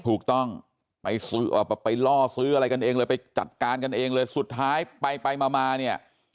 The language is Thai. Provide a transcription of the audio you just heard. ถูกต้องไปล่อซื้ออะไรกันเองเลยไปจัดการกันเองเลยสุดท้ายไปไปมามาเนี่ย